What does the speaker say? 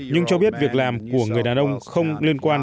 nhưng cho biết việc làm của người đàn ông không liên quan